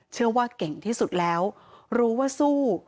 เชื่อว่าเก่งที่สุดแล้วรู้ว่าสู้